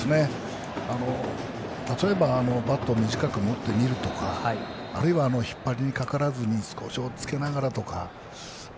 例えばバットを短く持ってみるとかあるいは引っ張りに関わらずに少し追っつけながらとか。